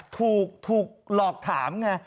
ถูกหลอกถามไง